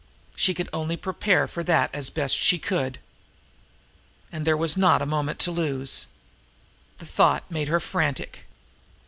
She could only prepare for that now as best she could. And there was not a moment to lose. The thought made her frantic.